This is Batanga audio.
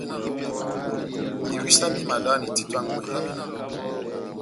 Bewisa béhimadani títo ya ngweya.